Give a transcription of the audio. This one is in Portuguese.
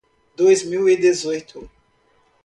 Dois mil e dezoito.